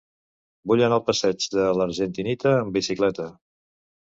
Vull anar al passeig de l'Argentinita amb bicicleta.